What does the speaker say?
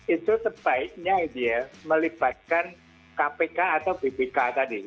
itu sebaiknya dia melibatkan kpk atau bpk tadi